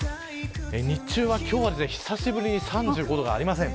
日中は今日は久しぶりに３５度はありません。